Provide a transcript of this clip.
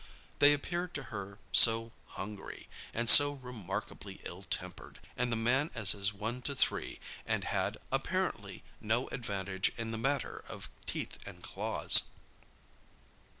They appeared to her so hungry, and so remarkably ill tempered; and the man was as one to three, and had, apparently, no advantage in the matter of teeth and claws.